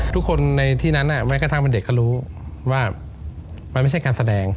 ทุกคนในที่นั้นแม้กระทั่งเป็นเด็กก็รู้ว่ามันไม่ใช่การแสดง